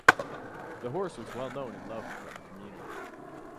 The horse was well known and loved by the community.